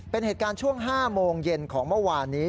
เป็นเหตุการณ์ช่วง๕โมงเย็นของเมื่อวานนี้